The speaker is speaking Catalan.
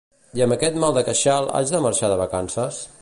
I amb aquest mal de queixal haig de marxar de vacances?